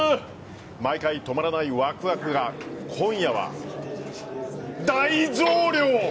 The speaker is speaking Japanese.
毎回、止まらないわくわくが今夜は大増量。